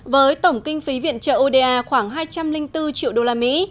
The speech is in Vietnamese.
với tổng kinh phí viện trợ oda khoảng hai trăm linh bốn triệu đô la mỹ